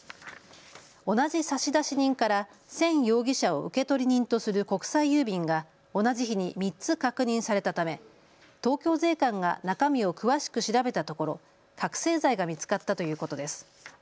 同じ差出人からせん容疑者を受取人とする国際郵便が同じ日に３つ確認されたため東京税関が中身を詳しく調べたところ覚醒剤が見つかったということです。